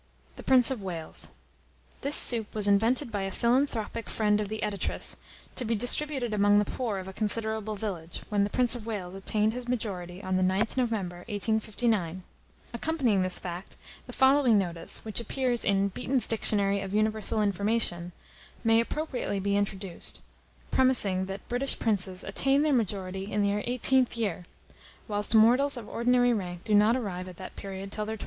THE PRINCE Of WALES. This soup was invented by a philanthropic friend of the Editress, to be distributed among the poor of a considerable village, when the Prince of Wales attained his majority, on the 9th November, 1859. Accompanying this fact, the following notice, which appears in "BEETON'S DICTIONARY OF UNIVERSAL INFORMATION" may appropriately be introduced, premising that British princes attain their majority in their 18th year, whilst mortals of ordinary rank do not arrive at that period till their 21st.